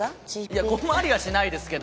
いや困りはしないですけど。